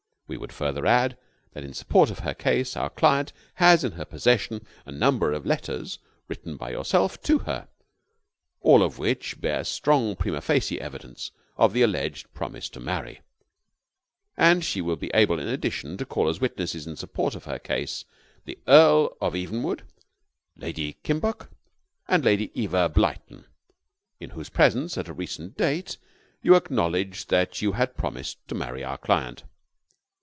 We would further add that in support of her case our client has in her possession a number of letters written by yourself to her, all of which bear strong prima facie evidence of the alleged promise to marry: and she will be able in addition to call as witnesses in support of her case the Earl of Evenwood, Lady Kimbuck, and Lady Eva Blyton, in whose presence, at a recent date, you acknowledged that you had promised to marry our client.